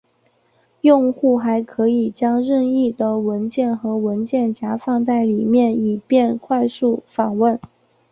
用户还可以将任意的文件和文件夹放在里面以便快速访问。